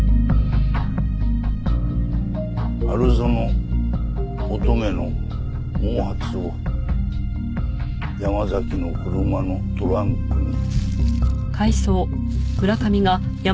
春薗乙女の毛髪を山崎の車のトランクに。